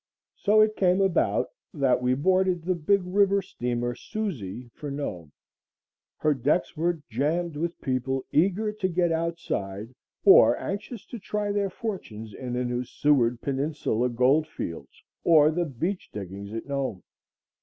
So it came about that we boarded the big river steamer Susie for Nome. Her decks were jammed with people eager to get outside or anxious to try their fortunes in the new Seward Peninsula gold fields or the beach diggings at Nome.